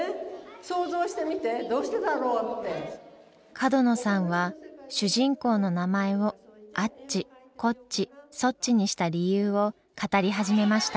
角野さんは主人公の名前をアッチコッチソッチにした理由を語り始めました。